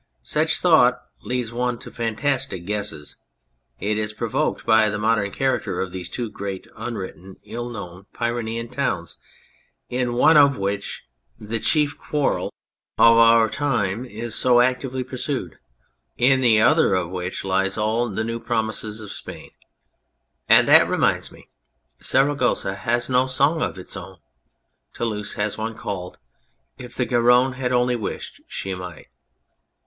Such thought leads one to fantastic guesses ; it is provoked by the modern character of these two great, unwritten, ill known Pyrenean towns in one of which the chief quarrel of 271 On Anything our time is so actively pursued, in the other of which lies all the new promise of Spain. And that reminds me. Saragossa has no song of its own ; Toulouse has one called " If the Garonne had only wished, she might.